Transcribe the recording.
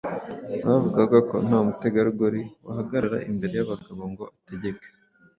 Bavugaga ko nta mutegarugori wahagarara imbere y’abagabo ngo ategeke.